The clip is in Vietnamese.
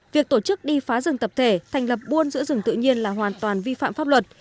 việc tổ chức đi phá rừng tập thể thành lập buôn giữa rừng tự nhiên là hoàn toàn vi phạm pháp luật